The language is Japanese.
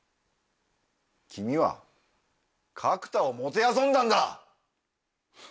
君は角田をもてあそんだんだ！